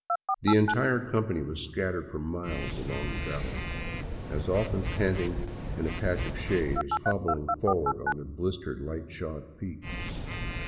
The entire company was scattered for miles along the valley, as often panting in a patch of shade as hobbling forward on their blistered, light shod feet.